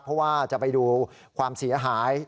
เพราะว่าจะไปดูความเสียหาย